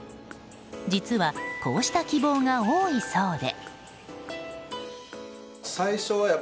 実は、こうした希望が多いそうで。